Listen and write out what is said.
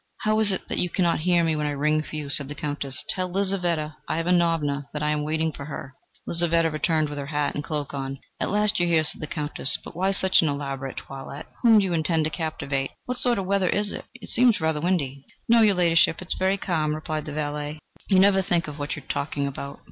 "How is it that you cannot hear me when I ring for you?" said the Countess. "Tell Lizaveta Ivanovna that I am waiting for her." Lizaveta returned with her hat and cloak on. "At last you are here!" said the Countess. "But why such an elaborate toilette? Whom do you intend to captivate? What sort of weather is it? It seems rather windy." "No, your Ladyship, it is very calm," replied the valet. "You never think of what you are talking about.